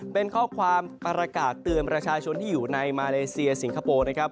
เป็นข้อความประกาศเตือนประชาชนที่อยู่ในมาเลเซียสิงคโปร์นะครับ